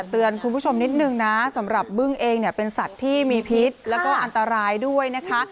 เตือนคุณผู้ชมนิดนึงนะสำหรับบึ้งเองเนี่ยเป็นสัตว์ที่มีพิษแล้วก็อันตรายด้วยนะคะ